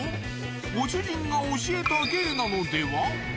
ご主人が教えた芸なのでは？